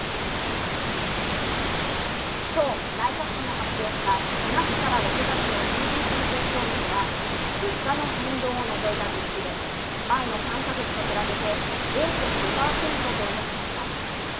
今日、内閣府が発表した４月から６月のＧＤＰ成長率は、物価の変動を除いた実質で、前の３か月と比べて０．５％増加しました。